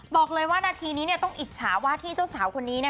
บอกเลยว่านาทีนี้ต้องอิจฉาว่าที่เจ้าสาวคนนี้